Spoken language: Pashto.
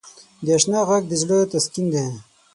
د اشنا ږغ د زړه تسکین دی.